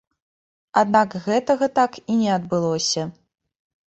Аднак гэтага так і не адбылося.